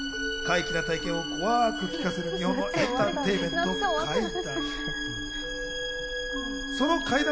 怪奇な体験を怖く聞かせる日本のエンターテインメント、怪談。